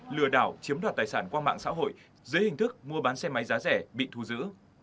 lừa đảo chiếm đoạt tài sản qua mạng xã hội dưới hình thức mua bán xe máy giá rẻ bị thu giữ